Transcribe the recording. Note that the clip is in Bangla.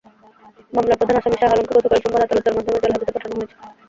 মামলার প্রধান আসামি শাহ আলমকে গতকাল সোমবার আদালতের মাধ্যমে জেলহাজতে পাঠানো হয়েছে।